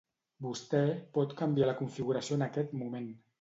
Vostè pot canviar la configuració en aquest moment.